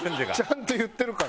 ちゃんと言ってるから。